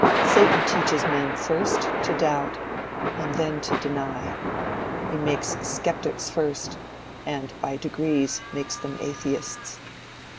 Satan teaches men first to doubt, and then to deny. He makes skeptics first, and by degrees makes them atheists."